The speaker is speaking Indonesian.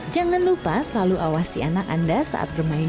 jangan lupa selalu awasi anak anda saat bermain di sini ya